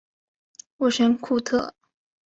沃什库特。